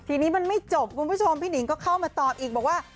ทีนี้มันไม่จบคุณผู้ชมพี่หนิงก็เข้ามาตอบอีกบอกว่า